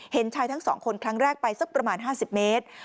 เห็นชายทั้ง๒คนครั้งแรกไปสักประมาณ๕๐เมตร